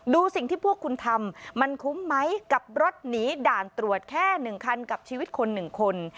ดูสิ่งที่พวกคุณทำมันคุ้มไหมกับรถหนีด่านตรวจแค่๑คันกับชีวิตคนหนึ่งคน